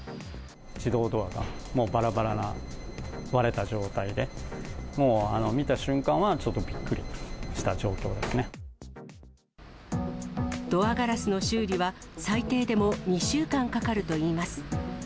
自動ドアがもうばらばらな、割れた状態で、もう見た瞬間は、ドアガラスの修理は、最低でも２週間かかるといいます。